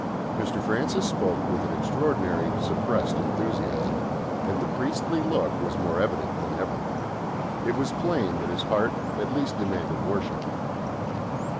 Mr. Francis spoke with an extraordinary suppressed enthusiasm, and the priestly look was more evident than ever. It was plain that his heart at least demanded worship.